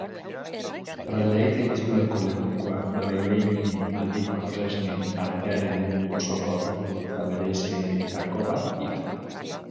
Praileaitz haitzuloko lepokoak Madeleine aldiko tresnen artearen mundu osoko aurkikuntza berezienetako bat dira.